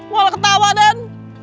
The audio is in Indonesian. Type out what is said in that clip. walau ketawa den